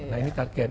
nah ini target